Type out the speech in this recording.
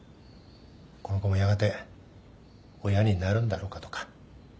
この子もやがて親になるんだろうかとか。